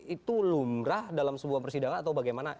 itu lumrah dalam sebuah persidangan atau bagaimana